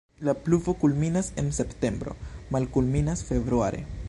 La pluvo kulminas en septembro, malkulminas februare.